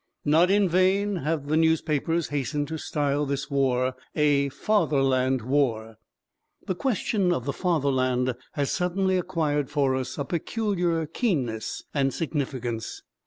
Not in vain have the newspapers hastened to style this war a Fatherland War. The question of the Fatherland has suddenly acquired for us a peculiar keenness and significance.